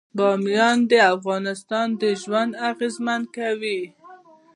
بامیان د افغانانو ژوند اغېزمن کوي.